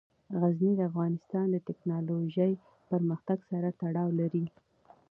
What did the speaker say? غزني د افغانستان د تکنالوژۍ پرمختګ سره تړاو لري.